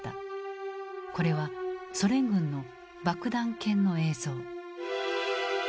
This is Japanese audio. これはソ連軍の「爆弾犬」の映像。